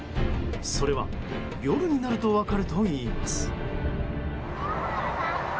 それは夜になると分かるといいます。